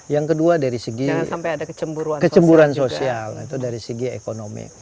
yang kedua dari segi kecemburan sosial itu dari segi ekonomi